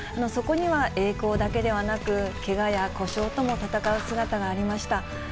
そこには栄光だけではなく、けがや故障とも戦う姿がありました。